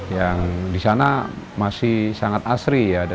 yang di sana masih sangat asri ya